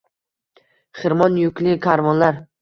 Xirmon yukli karvonlar.